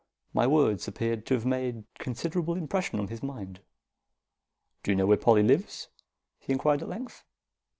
My words appeared to have made considerable impression on his mind. "Do you know where Polly lives?" he inquired at length.